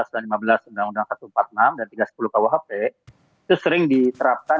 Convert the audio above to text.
undang undang satu ratus empat puluh enam dan tiga ratus sepuluh kuhp itu sering diterapkan